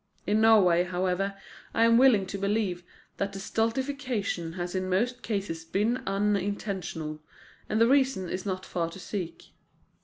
In Norway, however, I am willing to believe that the stultification has in most cases been unintentional; and the reason is not far to seek.